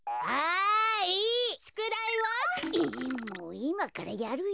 いまからやるよ。